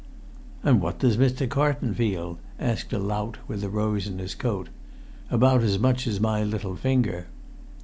[Pg 4]"And what does Mr. Carlton feel?" asked a lout with a rose in his coat. "About as much as my little finger!"